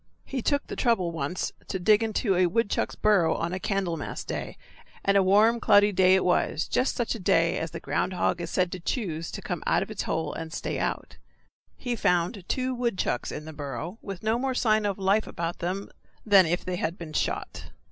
He took the trouble once to dig into a woodchuck's burrow on a Candlemas day and a warm, cloudy day it was; just such a day as the ground hog is said to choose to come out of his hole and stay out. He found two woodchucks in the burrow, with no more sign of life about them than if they had been shot.